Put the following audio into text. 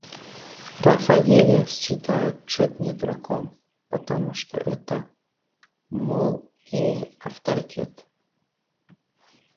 Рафаэля считают чуть не дураком, потому что это, мол, авторитет.